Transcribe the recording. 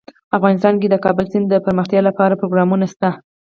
افغانستان کې د کابل سیند دپرمختیا لپاره پروګرامونه شته.